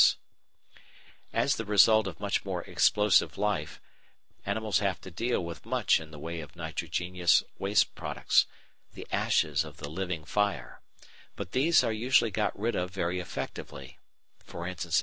] As the result of much more explosive life, animals have to deal with much in the way of nitrogenous waste products, the ashes of the living fire, but these are usually got rid of very effectively, e.